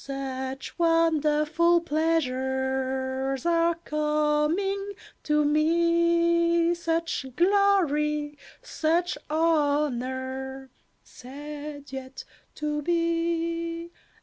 "Such wonderful pleasures are coming to me, Such glory, such honour," said Yet to be.